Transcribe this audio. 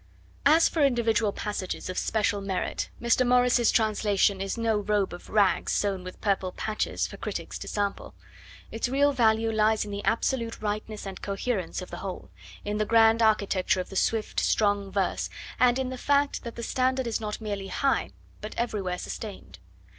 As for individual passages of special merit, Mr. Morris's translation is no robe of rags sewn with purple patches for critics to sample. Its real value lies in the absolute rightness and coherence of the whole, in the grand architecture of the swift, strong verse, and in the fact that the standard is not merely high but everywhere sustained.